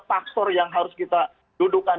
faktor yang harus kita dudukan